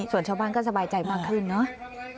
ส่วนชาวบ้านก็สบายใจมากขึ้นเนาะ